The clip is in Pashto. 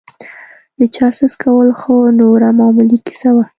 د چرسو څکول خو نوره معمولي کيسه وه.